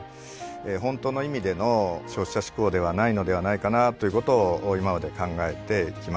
ホントの意味での消費者志向ではないのではないかなということを今まで考えてきました。